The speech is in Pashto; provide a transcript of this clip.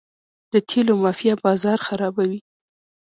د تیلو مافیا بازار خرابوي.